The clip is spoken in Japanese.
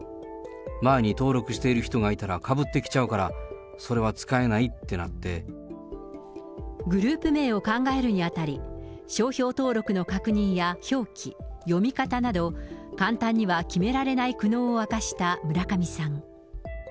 前に登録している人がいたらかぶってきちゃうから、グループ名を考えるにあたり、商標登録の確認や表記、読み方など、簡単には決められない苦悩を明かした村上さん。